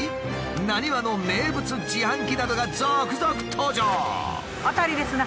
なにわの名物自販機などが続々登場。